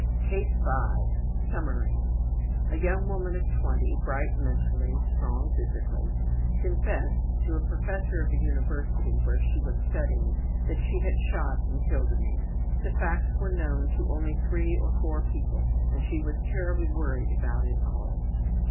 CASE 5 Summary: A young woman of 20, bright mentally, strong physically, ``confessed'' to a professor of a university where she was studying that she had shot and killed a man. The facts were known to only three or four people and she was terribly worried about it all.